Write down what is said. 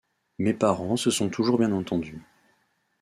Mes parents se sont toujours bien entendus.